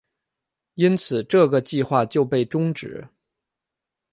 因此这个计划就被终止。